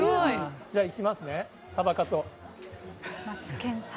じゃあいきますね、サバカツを。